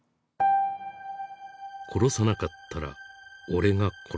「殺さなかったら俺が殺された」。